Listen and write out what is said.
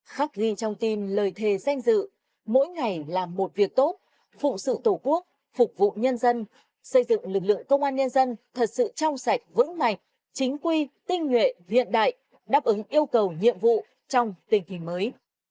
khắc ghi trong tim lời thề danh dự mỗi ngày làm một việc tốt phụ sự tổ quốc phục vụ nhân dân xây dựng lực lượng công an nhân dân thật sự trong sạch vững mạnh chính quy tinh nguyện hiện đại đáp ứng yêu cầu nhiệm vụ trong tình hình mới